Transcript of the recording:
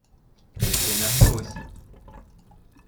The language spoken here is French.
Le scénario aussi.